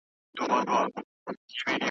ګوندي خدای مو سي پر مېنه مهربانه .